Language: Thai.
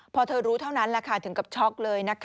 พอเธอรู้เท่านั้นถึงกับช็อกเลยนะคะ